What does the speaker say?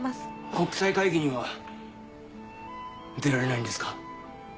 国際会議には出られないんですか？